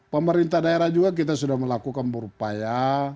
pemerintah daerah juga kita sudah melakukan berupaya